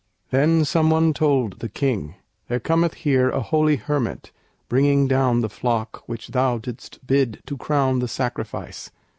Then some one told the King, "There cometh here A holy hermit, bringing down the flock Which thou didst bid to crown the sacrifice."